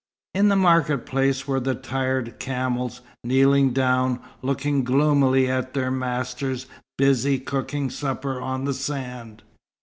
In the market place were the tired camels, kneeling down, looking gloomily at their masters busy cooking supper on the sand.